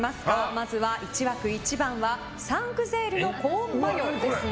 まず１枠１番はサンクゼールのコーンマヨですね。